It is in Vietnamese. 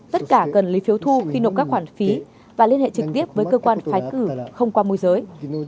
tất cả cần lấy phiếu thu khi nộp các khoản phí và liên hệ trực tiếp với cơ quan phái cử không qua môi giới